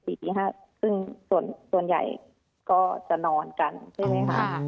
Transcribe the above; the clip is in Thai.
ตี๕ซึ่งส่วนใหญ่ก็จะนอนกันใช่ไหมคะ